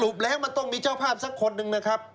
แล้วมันต้องมีเจ้าภาพสักคนหนึ่งนะครับ